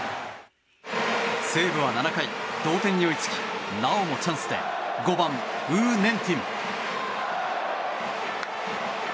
西武は７回、同点に追いつきなおもチャンスで５番、ウー・ネンティン。